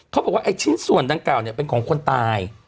เขาบอกว่าไอ้ชิ้นส่วนดังกล่าวเนี่ยเป็นของคนตาย